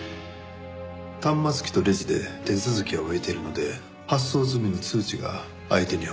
端末機とレジで手続きは終えているので発送済みの通知が相手には送られます。